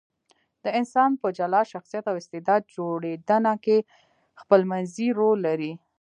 د انسان په جلا شخصیت او استعداد جوړېدنه کې خپلمنځي رول لري.